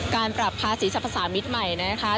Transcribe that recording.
การปรับภาษีชมภาษามิตใหม่นะคะ